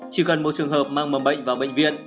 chỉ cần một trường hợp mang mầm bệnh vào bệnh viện